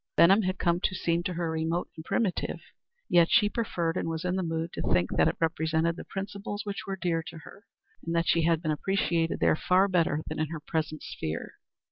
Benham had come to seem to her remote and primitive, yet she preferred, and was in the mood, to think that it represented the principles which were dear to her, and that she had been appreciated there far better than in her present sphere.